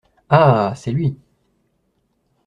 Ah ! c’est lui.